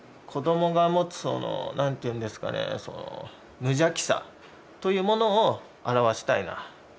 子どもが持つその何て言うんですかね無邪気さというものを表したいな。